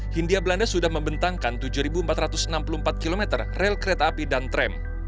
hindia belanda sudah membentangkan tujuh empat ratus enam puluh empat km rel kereta api dan tram